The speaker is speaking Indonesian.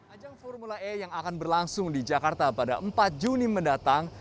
ajang formula e yang akan berlangsung di jakarta pada empat juni mendatang